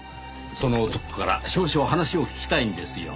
その男から少々話を聞きたいんですよ。